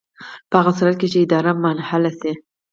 په هغه صورت کې چې اداره منحله شي.